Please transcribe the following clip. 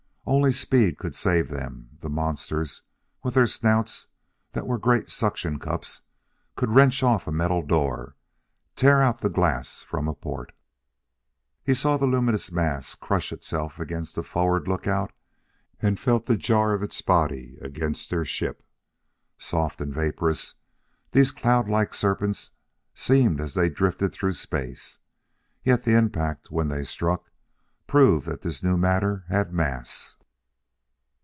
Only speed could save them; the monsters, with their snouts that were great suction cups, could wrench off a metal door tear out the glass from a port! He saw the luminous mass crush itself against a forward lookout and felt the jar of its body against their ship. Soft and vaporous, these cloud like serpents seemed as they drifted through space; yet the impact, when they struck, proved that this new matter had mass.